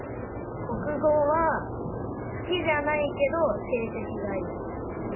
国語は好きじゃないけど成績がいいっていう。